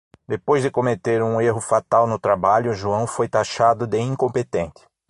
Depois de cometer um erro fatal no trabalho, João foi tachado de incompetente.